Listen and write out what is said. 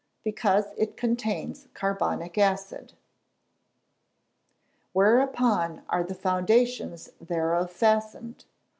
_ Because it contains carbonic acid. [Verse: "Whereupon are the foundations thereof fastened?